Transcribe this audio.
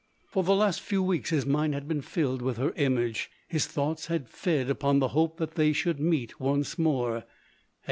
For the last few weeks his mind had been filled with her image ; his thoughts had fed upon the hope that they should meet once more.